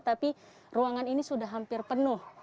tapi ruangan ini sudah hampir penuh